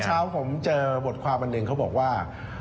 เช้าผมเจอบทความอันหนึ่งเขาบอกว่า